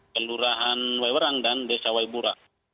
kelurahan wewerang dan desa waibura